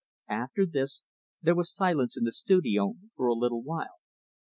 After this, there was silence in the studio, for a little while.